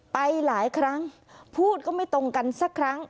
ไปหลายครั้งพูดก็ไม่ตรงกันสักครั้ง